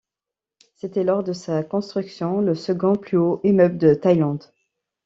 C'était lors de sa construction le second plus haut immeuble de Thaïlande.